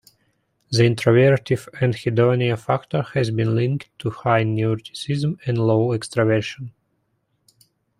The introvertive anhedonia factor has been linked to high neuroticism and low extraversion.